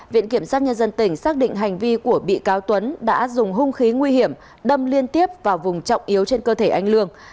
viện kiểm sát nhân dân tỉnh xác định hành vi của bị cáo tuấn đã dùng hung khí nguy hiểm đâm liên tiếp vào vùng trọng yếu trên cơ thể anh lương